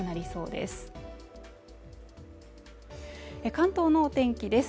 関東の天気です